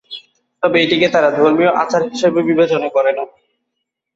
তবে এটিকে তারা ধর্মীয় আচার হিসাবে বিবেচনা করে না।